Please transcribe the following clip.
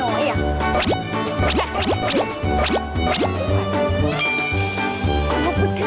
บอกว่าพี่ชึกว่าที่เหรอ